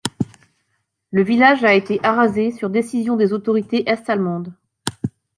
Le village a été arasé sur décision des autorités est-allemandes.